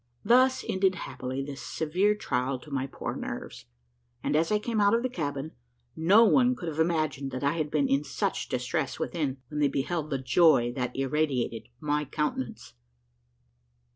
Thus ended happily this severe trial to my poor nerves; and, as I came out of the cabin, no one could have imagined that I had been in such distress within, when they beheld the joy that irradiated my countenance.